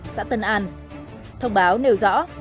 xã tân an thông báo nêu rõ